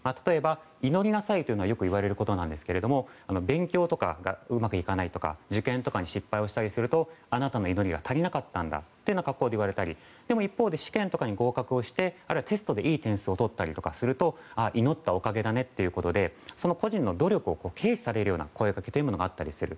例えば、祈りなさいというのはよく言われることなんですけど勉強とかうまくいかないとか受験とかに失敗したりするとあなたの祈りが足りなかったといわれたりでも一方で試験とかに合格をしてあるいは、テストでいい点数を取ったりすると祈ったおかげだねということで個人の努力を軽視されるような声掛けというものがあったりする。